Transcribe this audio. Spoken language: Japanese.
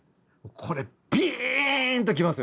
これビーンときますよね。